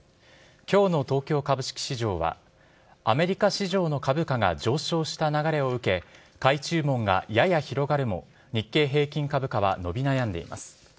今日の東京株式市場はアメリカ市場の株価が上昇した流れを受け買い注文がやや広がるも日経平均株価は伸び悩んでいます。